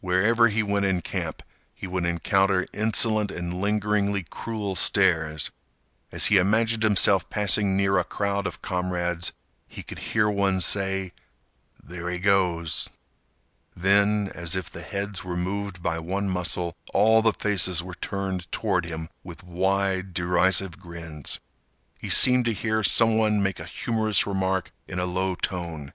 Wherever he went in camp, he would encounter insolent and lingeringly cruel stares. As he imagined himself passing near a crowd of comrades, he could hear one say, "There he goes!" Then, as if the heads were moved by one muscle, all the faces were turned toward him with wide, derisive grins. He seemed to hear some one make a humorous remark in a low tone.